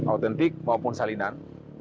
autentik maupun salinan